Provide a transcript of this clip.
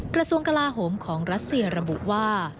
กระทรวงกลาโหมของรัสเซียระบุว่า